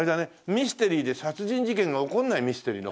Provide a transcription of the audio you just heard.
ミステリーで殺人事件が起こらないミステリーの本がいいな。